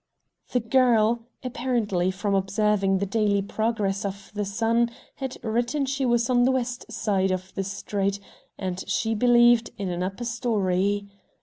The girl, apparently from observing the daily progress of the sun, had written she was on the west side of the street and, she believed, in an upper story.